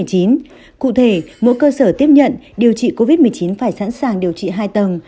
cụ thể mỗi cơ sở tiếp nhận điều trị covid một mươi chín phải sẵn sàng điều trị hai tầng